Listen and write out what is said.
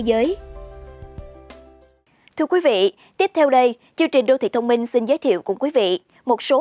giới thưa quý vị tiếp theo đây chương trình đô thị thông minh xin giới thiệu cùng quý vị một số